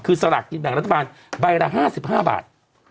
คือสลากกินแบ่งรัฐบาลใบละ๕๕บาท